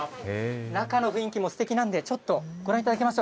中の雰囲気もすてきなんで、ちょっと、ご覧いただきましょう。